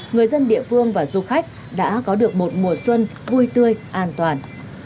người dân địa phương và du khách đã có được một mùa xuân vui tươi an toàn